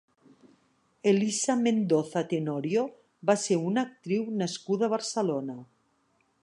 Elisa Mendoza Tenorio va ser una actriu nascuda a Barcelona.